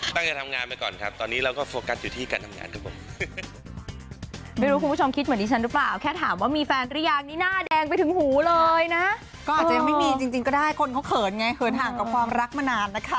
ตั้งแต่ทำงานไปก่อนครับตอนนี้เราก็โฟกัสอยู่ที่การทำงานครับผม